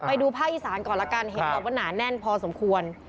ไปดูภาคอีสานก่อนละกันเห็นบอกว่าหนาแน่นพอสมควร